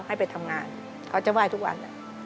ให้ไปทำงานเขาจะไหว้ทุกวัน